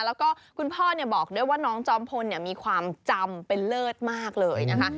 แล้วก็คุณพ่อบอกด้วยว่าน้องจอมพลมีความจำเป็นเลิศมากเลยนะคะ